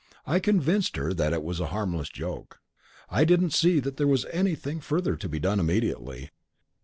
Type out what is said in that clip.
I convinced her that it was a harmless joke. I didn't see that there was anything further to be done immediately.